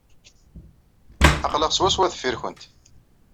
Aql-aɣ swaswa deffir-went.